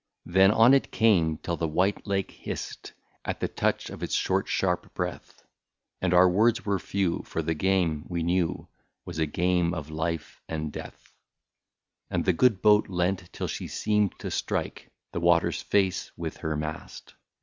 Then on it came, till the white lake hissed. At the touch of its short sharp breath. And our words were few, for the game, we knew. Must be played for life and death. And the good boat leant till she seemed to strike The water's face with her mast.